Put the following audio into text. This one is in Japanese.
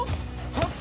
はっ！